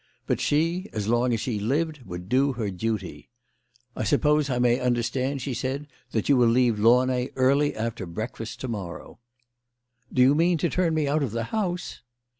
But she, as long as she lived, would do her duty. " I suppose I may understand," she said, " that you will leave Launay early after breakfast to morrow." " Do you mean to turn me out of the house